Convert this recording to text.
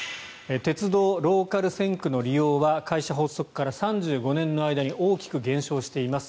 鉄道ローカル線区の利用は会社発足から３５年の間に大きく減少しています。